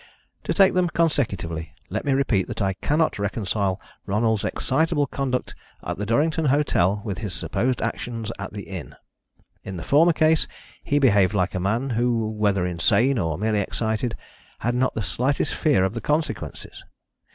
To take them consecutively, let me repeat that I cannot reconcile Ronald's excitable conduct at the Durrington hotel with his supposed actions at the inn. In the former case he behaved like a man who, whether insane or merely excited, had not the slightest fear of the consequences.